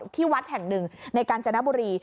ที่วัดแห่งหนึ่งในการจนบุรี